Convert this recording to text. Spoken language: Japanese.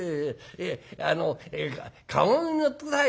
あの駕籠に乗って下さいよ」。